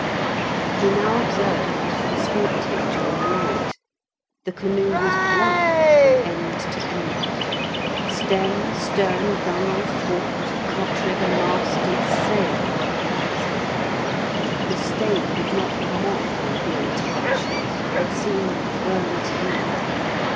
He now observed what had escaped him during the night, the canoe was black from end to end. Stem, stern, gunwale, thwart, outrigger, mast and sail were black. The stain did not come off on being touched, it seemed burnt in.